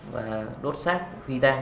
và đốt xác phi tan